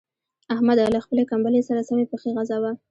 احمده! له خپلې کمبلې سره سمې پښې غځوه.